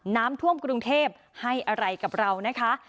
น้ำท่วมกรุงเทพให้อะไรกับเรานะคะ